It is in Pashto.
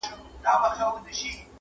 مُلا وویل نیم عمر دي تباه سو٫